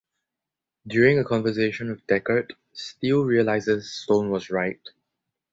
During a conversation with Deckert, Steele realizes Stone was right.